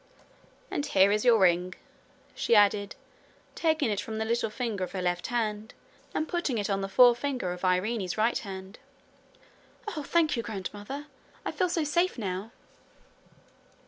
'And here is your ring,' she added, taking it from the little finger of her left hand and putting it on the forefinger of Irene's right hand. 'Oh, thank you, grandmother! I feel so safe now!'